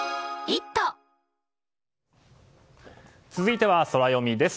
続いては、ソラよみです。